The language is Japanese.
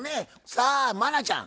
さあ茉奈ちゃん